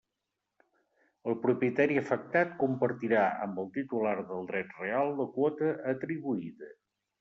El propietari afectat compartirà amb el titular del dret real la quota atribuïda.